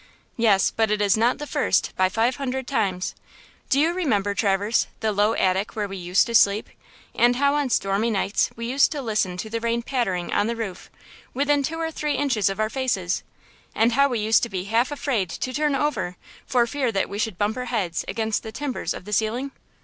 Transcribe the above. "Yes; but it is not the first, by five hundred times. Do you remember, Traverse, the low attic where we used to sleep, and how on stormy nights we used to listen to the rain pattering on the roof, within two or three inches of our faces, and how we used to be half afraid to turn over for fear that we should bump our heads against the timbers of the ceiling?"